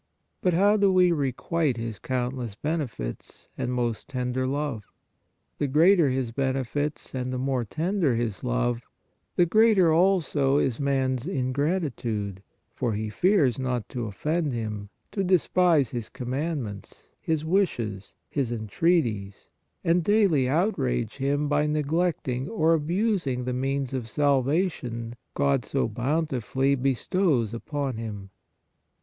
But how do we requite His countless benefits and most tender love? The greater His benefits and the more tender His love, the greater also is man s in gratitude, for he fears not to offend Him, to despise His commandments, His wishes, His entreaties, and daily outrage Him by neglecting or abusing the means of salvation God so bountifully bestows upon him.